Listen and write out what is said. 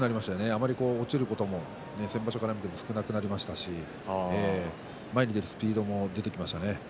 あまり落ちることも先場所に比べてなくなりましたけれども前に出るスピードも出てきました。